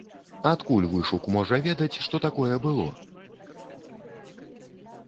Адкуль вышук можа ведаць, што такое было?